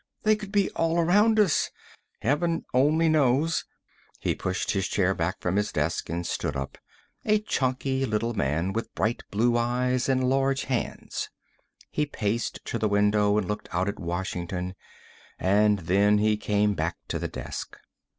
"They could be all around us. Heaven only knows." He pushed his chair back from his desk and stood up a chunky little man with bright blue eyes and large hands. He paced to the window and looked out at Washington, and then he came back to the desk.